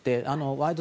「ワイド！